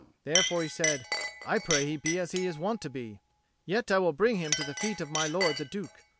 Therefore he said, "I pray he be as he is wont to be: yet I will bring him to the feet of my lord the Duke."